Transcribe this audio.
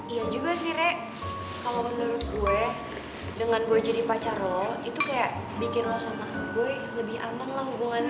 iya juga sih rek kalau menurut gue dengan gue jadi pacar lo itu kayak bikin lo sama gue lebih aman lah hubungannya